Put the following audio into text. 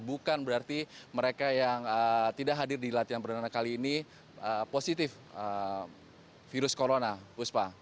bukan berarti mereka yang tidak hadir di latihan perdana kali ini positif virus corona puspa